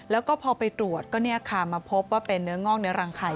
แล้วก็พอไปตรวจก็มาพบว่าเป็นเนื้องอกในรังไข่